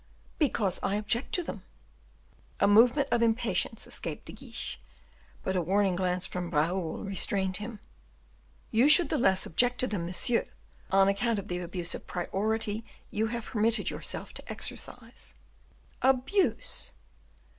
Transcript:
"Because I object to them." A movement of impatience escaped De Guiche, but a warning glance from Raoul restrained him. "You should the less object to them, monsieur, on account of the abuse of priority you have permitted yourself to exercise." "_Abuse!